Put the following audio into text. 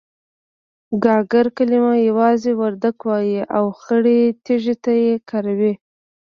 گاگره کلمه يوازې وردگ وايي او خړې تيږې ته يې کاروي.